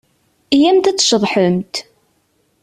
Iyyamt ad tceḍḥemt!